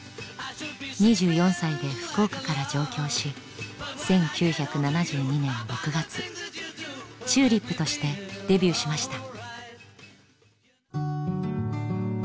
２４歳で福岡から上京し１９７２年６月ＴＵＬＩＰとしてデビューしました。